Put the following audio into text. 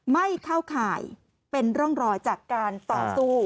ไม่เข้าข่ายเป็นร่องรอยจากการต่อสู้